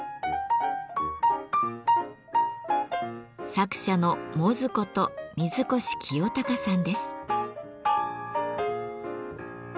作者のＭｏｚｕこと水越清貴さんです。